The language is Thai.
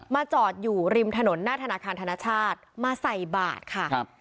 จอดอยู่ริมถนนหน้าธนาคารธนชาติมาใส่บาทค่ะครับ